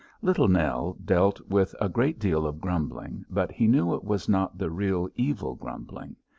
Little Nell dealt with a great deal of grumbling, but he knew it was not the real evil grumbling.